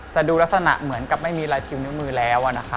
จะดูลักษณะเหมือนกับไม่มีลายทิวนิ้วมือแล้ว